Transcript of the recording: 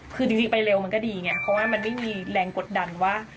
คือจริงไปเร็วมันก็ดีไงเพราะว่ามันไม่มีแรงกดดันว่า